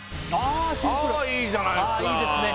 あいいじゃないっすか